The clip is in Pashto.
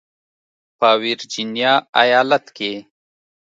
په ورجینیا ایالت کې